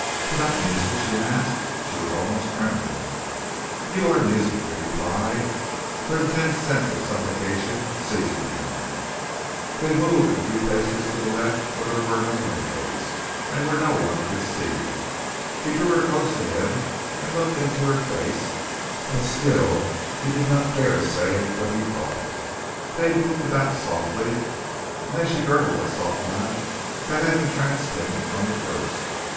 "Without music?" she asked. She was almost trembling. "You are music," he replied, her intense sense of suffocation seizing him. They moved a few paces to the left where there were no windows and where no one could see. He drew her close to him and looked into her face, but still he did not dare say what he thought. They moved about softly, and then she gurgled that soft laugh that had entranced him from the first.